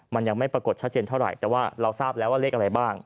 มันยังไม่ปรากฏชัดเจนเท่าไหร่แต่ว่าเราทราบแล้วว่าเลขอะไรบ้าง